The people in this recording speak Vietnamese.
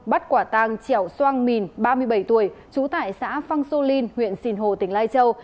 bắt quả tàng trẻo soang mìn ba mươi bảy tuổi trú tại xã phang xô linh huyện xìn hồ tỉnh lai châu